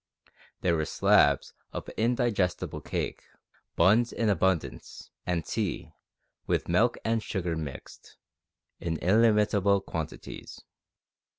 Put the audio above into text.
There were slabs of indigestible cake, buns in abundance, and tea, with milk and sugar mixed, in illimitable quantities.